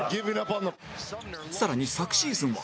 更に昨シーズンは